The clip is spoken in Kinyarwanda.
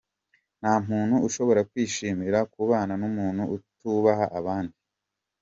Nta muntu ushobora kwishimira kubana n’umuntu utubaha abandi.